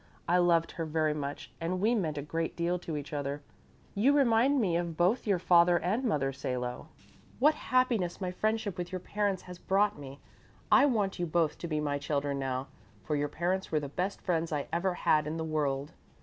I loved her very much and we meant a great deal to each other. You remind me of both your father and mother, Salo. What happiness my friendship with your parents has brought me! I want you both to be my children now, for your parents were the best friends I ever had in the world."